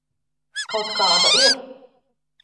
Kaut kāda ir.